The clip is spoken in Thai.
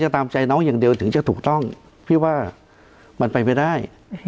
ตามใจน้องอย่างเดียวถึงจะถูกต้องพี่ว่ามันไปไม่ได้